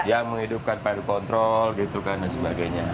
ya menghidupkan padu kontrol gitu kan dan sebagainya